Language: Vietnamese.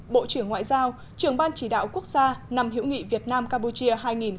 bộ trưởng ngoại giao trưởng ban chỉ đạo quốc gia năm hữu nghị việt nam campuchia hai nghìn một mươi chín